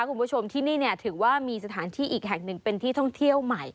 คุณผู้ชมที่นี่เนี่ยถือว่ามีสถานที่อีกแห่งหนึ่งเป็นที่ท่องเที่ยวใหม่